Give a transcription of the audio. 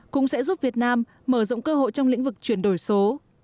cũng sẽ giúp việt nam mở rộng cơ hội trong lĩnh vực chuyển đổi số